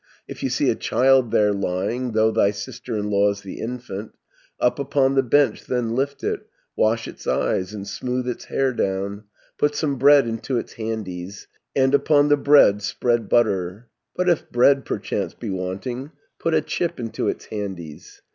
If you see a child there lying, Though thy sister in law's the infant, Up upon the bench then lift it, Wash its eyes, and smooth its hair down, Put some bread into its handies, And upon the bread spread butter, 190 But if bread perchance be wanting, Put a chip into its handies.